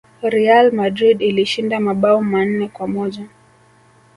real madrid ilishinda mabao manne kwa moja